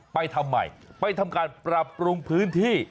ไปทำใหม่ไปทำการประปรุงพื้นที่